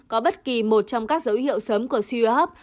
có bất kỳ một trong các dấu hiệu sớm của suy hợp